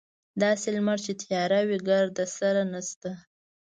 داسې لمر چې تیاره وي ګردسره نشته.